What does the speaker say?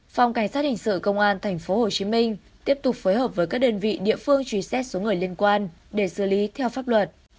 phòng cảnh sát hình sự công an tp hcm tiếp tục phối hợp với các đơn vị địa phương truy xét số người liên quan để xử lý theo pháp luật